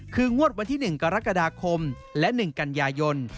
คืองวดวันที่๑กรกฎาคมและ๑กันยายน